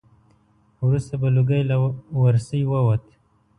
وروسته به لوګی له ورسی ووت.